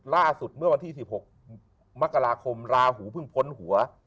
ล่าสุดเมื่อวันที่๑๖มกราคมราหูเพิ่งพ้นหัว